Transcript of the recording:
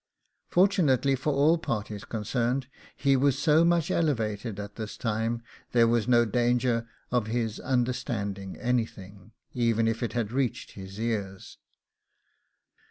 Fortunately for all parties concerned, he was so much elevated at this time, there was no danger of his understanding anything, even if it had reached his ears.